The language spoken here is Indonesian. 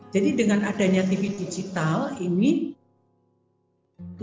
jadi dengan adanya tv digital ini